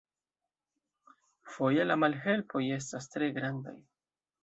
Foje la malhelpoj estas tre grandaj!